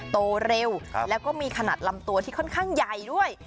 โตเร็วแล้วก็มีขนาดลำตัวที่ค่อนข้างใหญ่ด้วย